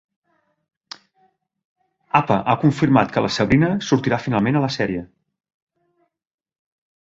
Apa ha confirmat que la Sabrina sortirà finalment a la serie.